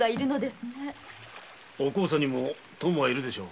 お幸さんにも友はいるでしょう。